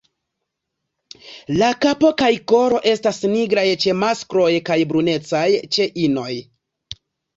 La kapo kaj kolo estas nigraj ĉe maskloj kaj brunecaj ĉe inoj.